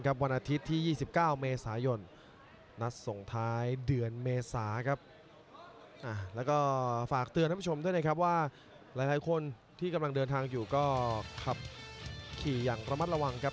กำเนี่ยนะครับว่าหลายคนที่กำลังเดินทางอยู่ก็ขับขี่อย่างระมัดระวังครับ